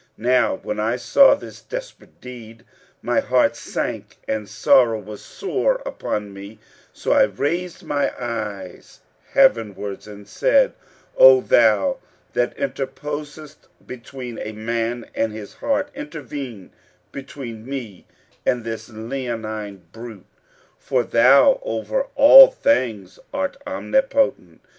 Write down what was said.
Now when I saw this desperate deed, my heart sank and sorrow was sore upon me; so I raised my eyes heavenwards and said, 'O Thou that interposest between a man and his heart, intervene between me and this leonine brute; for Thou over all things art Omnipotent!'